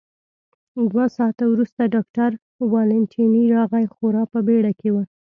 دوه ساعته وروسته ډاکټر والنتیني راغی، خورا په بېړه کې و.